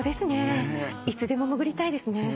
いつでも潜りたいですね。